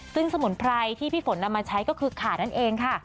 ซึ่งสมุนไพรที่พี่ฝนนำมาใช้ก็คือขานั่นเองค่ะ